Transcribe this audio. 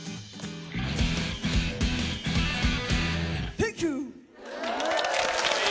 サンキュー！